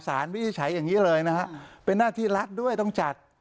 วินิจฉัยอย่างนี้เลยนะฮะเป็นหน้าที่รัฐด้วยต้องจัด